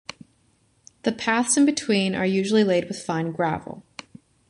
The paths in between are usually laid with fine gravel.